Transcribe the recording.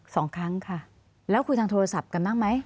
สองครั้งค่ะแล้วคุยทางโทรศัพท์กันบ้างไหม